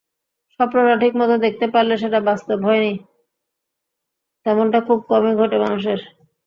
স্বপ্নটা ঠিকমতো দেখতে পারলে সেটা বাস্তব হয়নি, তেমনটা খুব কমই ঘটে মানুষের।